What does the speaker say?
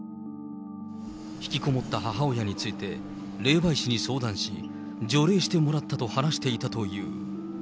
引きこもった母親について霊媒師に相談し、除霊してもらったと話していたという。